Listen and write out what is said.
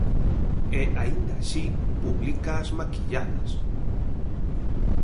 E, aínda así, publícaas maquilladas.